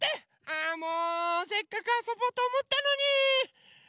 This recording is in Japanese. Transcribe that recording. あもうせっかくあそぼうとおもったのに。